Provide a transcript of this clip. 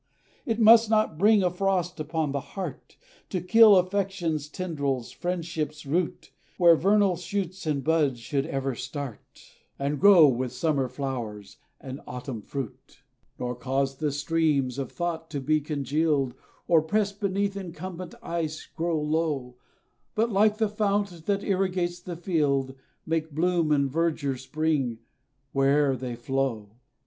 It must not bring a frost upon the heart, To kill affection's tendrils friendship's root, Where vernal shoots and buds should ever start, And grow with summer flowers and autumn fruit: Nor cause the streams of thought to be congealed, Or, pressed beneath incumbent ice, grow low; But, like the fount that irrigates the field, Make bloom and verdure spring, where'er they flow.